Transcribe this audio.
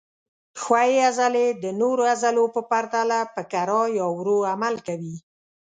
ښویې عضلې د نورو عضلو په پرتله په کراه یا ورو عمل کوي.